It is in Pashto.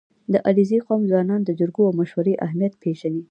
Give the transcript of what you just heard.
• د علیزي قوم ځوانان د جرګو او مشورو اهمیت پېژني.